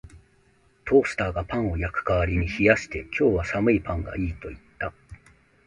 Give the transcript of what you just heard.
トースターがパンを焼く代わりに冷やして、「今日は寒いパンがいい」と言った